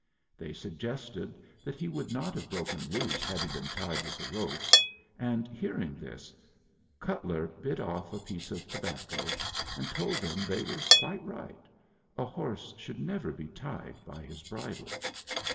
They suggested that he would not have broken loose had he been tied with a rope; and hearing this, Cutler bit off a piece of tobacco, and told them they were quite right: a horse should never be tied by his bridle.